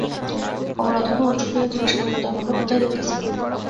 কমলা তখন উৎসুক হইয়া জিজ্ঞাসা করিল, তবে আমরা কোথায় যাইতেছি?